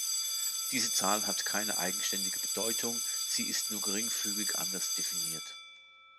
Diese Zahl hat keine eigenständige Bedeutung, sie ist nur geringfügig anders definiert.